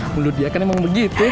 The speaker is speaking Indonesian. bulu dia kan emang begitu